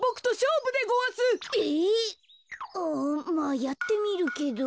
うんまあやってみるけど。